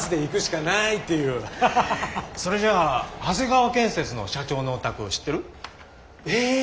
それじゃあ長谷川建設の社長のお宅知ってる？え？